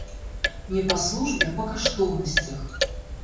Не па службе, а па каштоўнасцях.